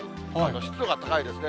湿度が高いですね。